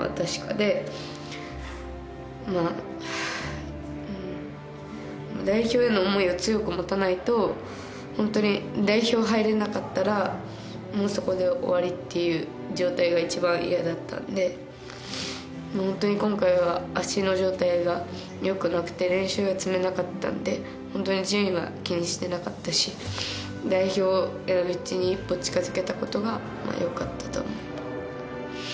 まあ代表への思いを強く持たないと本当に代表入れなかったらもうそこで終わりっていう状態が一番嫌だったんで本当に今回は足の状態がよくなくて練習が積めなかったんで本当に順位は気にしてなかったし代表への道に一歩近づけたことがよかったと思います。